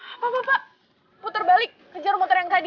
apa apa puter balik kejar motor yang tadi